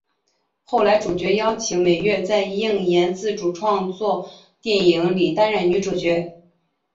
后来主角邀请美月在映研自主制作电影里担任女主角。